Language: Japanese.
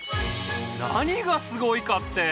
何がすごいかって？